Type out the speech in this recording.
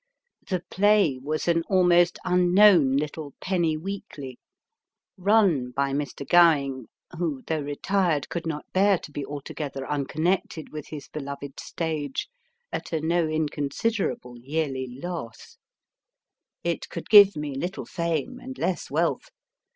The Play was an almost unknown little penny weekly, * run by Mr. THE STUDY (From a photograph by F raddle &> Young) Cowing who, though retired, could not bear to be altogether unconnected with his beloved stage at a no inconsiderable yearly loss. It could give me little fame and less wealth.